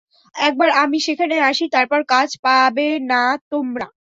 একবার আমি সেখানে আসি, তারপর কাজ পাবে না তোমরা।